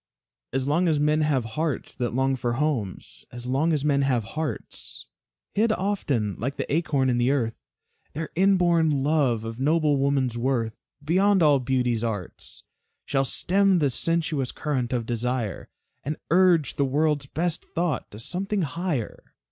As long as men have hearts that long for homes, As long as men have hearts, Hid often like the acorn in the earth, Their inborn love of noble woman's worth, Beyond all beauty's arts, Shall stem the sensuous current of desire, And urge the world's best thought to something higher.